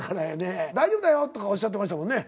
「大丈夫だよ」とかおっしゃってましたもんね。